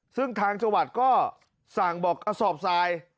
ซึ่งทางจังหวัดก็สั่งบอกกระสอบทราย